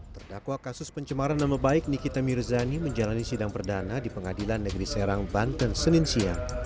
terdakwa kasus pencemaran nama baik nikita mirzani menjalani sidang perdana di pengadilan negeri serang banten senin siang